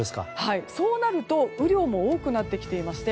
そうなると雨量も多くなってきていまして